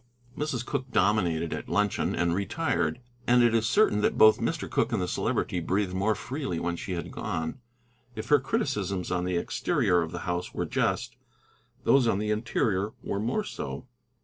Mrs. Cooke dominated at luncheon and retired, and it is certain that both Mr. Cooke and the Celebrity breathed more freely when she had gone. If her criticisms on the exterior of the house were just, those on the interior were more so.